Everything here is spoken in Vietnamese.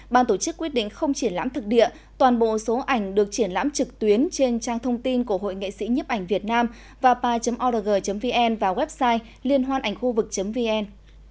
ban tổ chức quyết định không triển lãm thực địa toàn bộ số ảnh được triển lãm trực tuyến trên trang thông tin của hội nghệ sĩ nhiếp ảnh việt nam và pi org vn và website liên hoạt vn